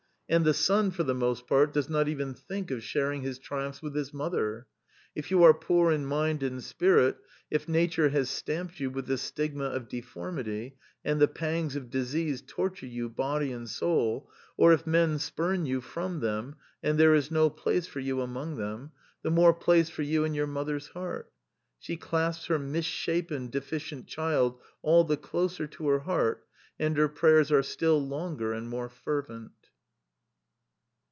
And the son, for the most part, does not even think of sharing his triumphs with his mother. If you are poor in mind and spirit, if nature has stamped you with the stigma of deformity, and the pangs of disease torture you body and soul, or if men spurn you from them and there is no place for you among them — the more place for you in your mother's heart. She clasps her misshapen, deficient child all the closer to her heart, and her prayers are still longer and more fervent.